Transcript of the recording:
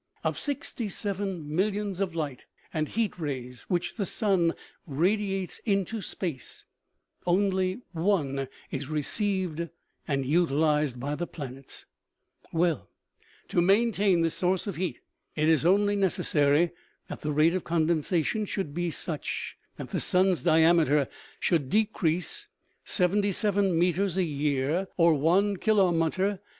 Of sixty seven millions of light and heat rays which the sun radiates into space, only one is received and utilized by the planets. Well ! to maintain this source of heat it is only necessary that the rate of condensation should be such that the sun's decrease seventy year, or one kilo years.